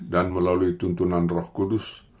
dan melalui tuntunan roh kudus